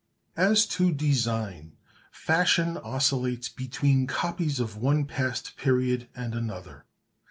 As to design, fashion oscillates between copies of one past period and another.